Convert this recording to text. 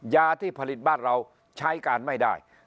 ยาที่ผลิตบ้านเราใช้การไม่ได้